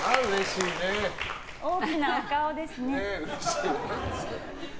大きなお顔ですね！